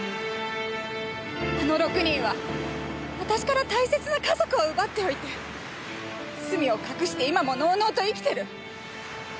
あの６人は私から大切な家族を奪っておいて罪を隠して今ものうのうと生きてる。